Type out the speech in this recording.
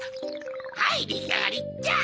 はいできあがりっちゃ！